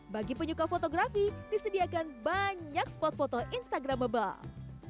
bagi penyuka fotografi disediakan banyak spot foto instagramable